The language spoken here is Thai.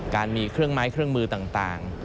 การมีเครื่องไม้เครื่องมือต่าง